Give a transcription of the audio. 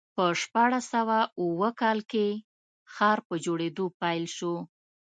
په شپاړس سوه اووه کال کې ښار په جوړېدو پیل شو.